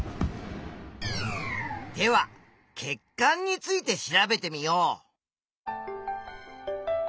では血管について調べてみよう！